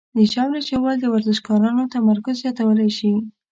د ژاولې ژوول د ورزشکارانو تمرکز زیاتولی شي.